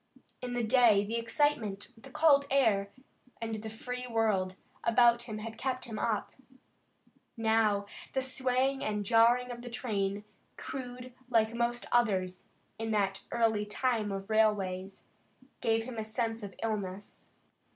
In the day the excitement, the cold air, and the free world about him had kept him up. Now the swaying and jarring of the train, crude like most others in that early time of railways, gave him a sense of illness.